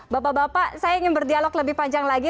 bapak bapak saya ingin berdialog lebih panjang lagi